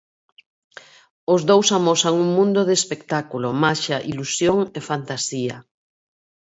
Os dous amosan un mundo de espectáculo, maxia, ilusión e fantasía.